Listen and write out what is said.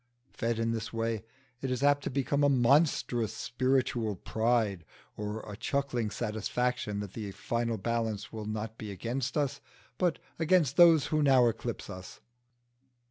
Fed in this way it is apt to become a monstrous spiritual pride, or a chuckling satisfaction that the final balance will not be against us but against those who now eclipse us.